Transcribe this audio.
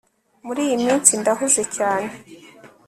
Muri iyi minsi ndahuze cyane